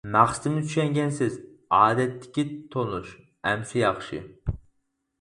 مەقسىتىمنى چۈشەنگەنسىز؟ -ئادەتتىكى تونۇش. -ئەمسە ياخشى.